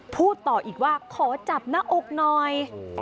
พูดต่ออีกว่าขอจับหน้าอกหน่อย